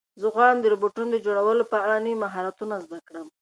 زه غواړم د روبوټونو د جوړولو په اړه نوي مهارتونه زده کړم.